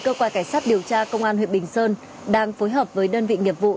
cơ quan cảnh sát điều tra công an huyện bình sơn đang phối hợp với đơn vị nghiệp vụ